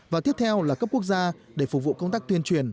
và tiếp theo là cấp quốc gia để phục vụ công tác tuyên truyền